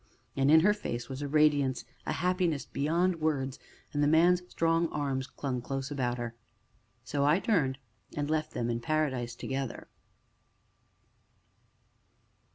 And in her face was a radiance a happiness beyond words, and the man's strong arms clung close about her. So I turned, and left them in paradise together.